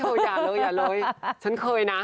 อย่าเลยอย่าเลยฉันเคยนะ